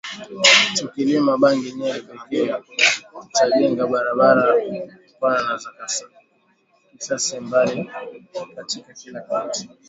Tukilima bangi Nyeri pekee tutajenga barabara pana na za kisasa mbili katika kila kaunti